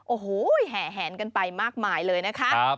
โอ้โหแห่แหนกันไปมากมายเลยนะคะ